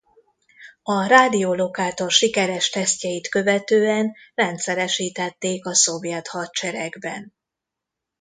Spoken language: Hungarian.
A rádiólokátor sikeres tesztjeit követően rendszeresítették a Szovjet Hadseregben.